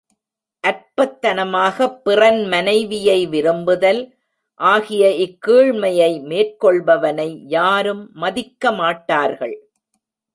அற்பத்தனமாகப் பிறன் மனைவியை விரும்புதல் ஆகிய இக்கீழ்மையை மேற்கொள்பவனை யாரும் மதிக்கமாட்டார்கள்.